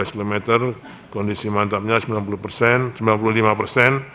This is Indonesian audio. kondisi mantapnya sembilan puluh lima persen